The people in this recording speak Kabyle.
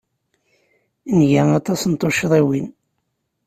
Nga aṭas n tuccḍiwin.